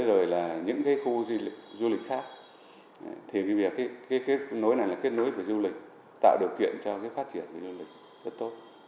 rồi là những cái khu du lịch khác thì cái nối này là kết nối của du lịch tạo điều kiện cho cái phát triển của du lịch rất tốt